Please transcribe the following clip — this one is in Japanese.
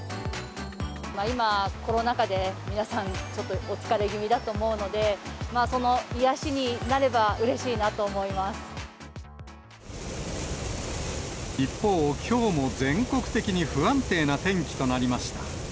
今、コロナ禍で皆さん、ちょっとお疲れ気味だと思うので、その癒やしになればうれしいなと一方、きょうも全国的に不安定な天気となりました。